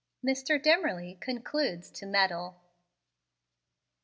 MR. DIMMERLY CONCLUDES TO "MEDDLE."